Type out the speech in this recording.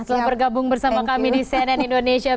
sudah bergabung bersama kami di cnn indonesia